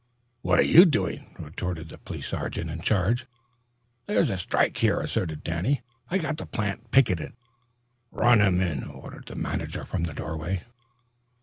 "What are you doing?" retorted the police sergeant in charge. "This here's a strike," asserted Danny. "I got the plant picketed." "Run him in!" ordered the manager from the doorway.